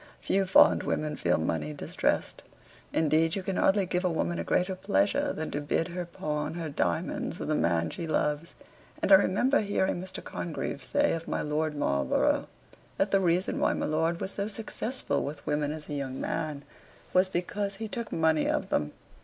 Few fond women feel money distressed; indeed you can hardly give a woman a greater pleasure than to bid her pawn her diamonds for the man she loves; and I remember hearing Mr. Congreve say of my Lord Marlborough, that the reason why my lord was so successful with women as a young man, was because he took money of them.